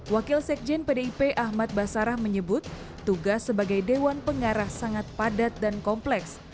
wakil sekjen pdip ahmad basarah menyebut tugas sebagai dewan pengarah sangat padat dan kompleks